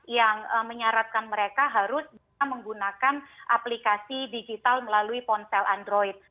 yang menyaratkan mereka harus bisa menggunakan aplikasi digital melalui ponsel android